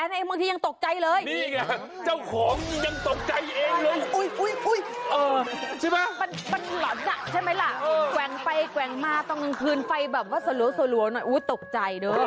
มันหล่อนน่ะใช่ไหมล่ะแกว้งไปแกว้งมาต้องกลืนไฟแบบว่าสลัวหน่อยอุ๊ยตกใจด้วย